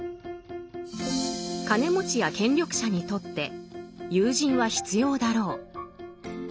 金持ちや権力者にとって友人は必要だろう。